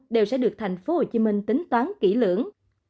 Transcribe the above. đều sẽ được tp hcm tính toán kỹ lưỡng